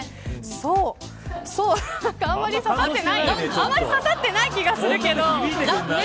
あんまり刺さってない気がするけど。